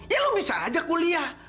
ya lo bisa aja kuliah